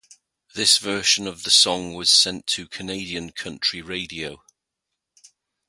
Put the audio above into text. This version of the song was sent to Canadian country radio.